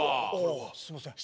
あすいません。